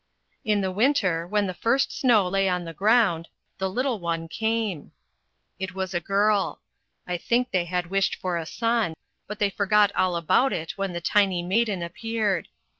In the winter, when the first snow lay on the ground, the little one came. It was a girl I think they had wished for a son; but they forgot all about it when the tiny maiden appeared.